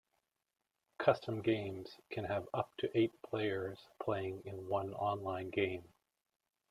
Custom games can have up to eight players playing in one online game.